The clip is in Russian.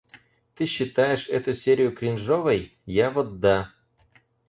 Ты считаешь эту серию кринжовой? Я вот да.